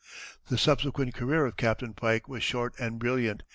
The subsequent career of Captain Pike was short and brilliant.